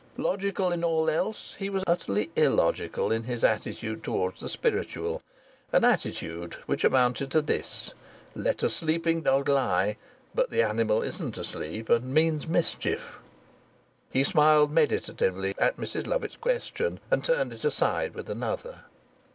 Logical in all else, he was utterly illogical in his attitude towards the spiritual an attitude which amounted to this: "Let a sleeping dog lie, but the animal isn't asleep and means mischief." He smiled meditatively at Mrs Lovatt's question, and turned it aside with another.